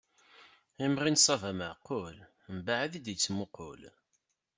Imɣi n ṣṣaba maɛqul, mbaɛid i d-yettmuqul.